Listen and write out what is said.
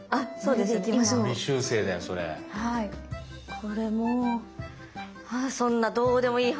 これもうあそんなどうでもいい話。